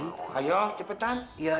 nih duit apa